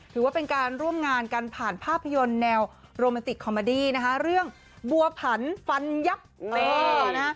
ถือว่าเป็นการร่วมงานกันผ่านภาพยนตร์แนวโรแมนติกคอมเมอดี้นะคะเรื่องบัวผันฟันยับเออนะฮะ